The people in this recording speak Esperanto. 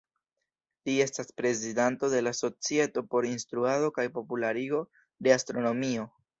Li estas prezidanto de la Societo por Instruado kaj Popularigo de Astronomio.